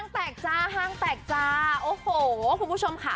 ทางแตกจ้าโอ้โหคุณผู้ชมค่ะ